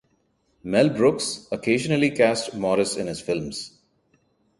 Mel Brooks occasionally cast Morris in his films.